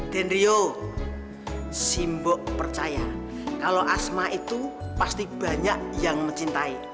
dan rio simbo percaya kalau asma itu pasti banyak yang mencintai